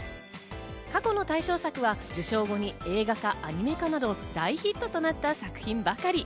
過去の大賞作は受賞後に映画化、アニメ化など大ヒットとなった作品ばかり。